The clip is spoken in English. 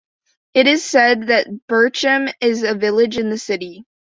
It is said that Berchem is a "village in the city".